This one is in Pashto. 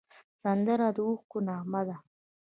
سندره د اوښکو نغمه ده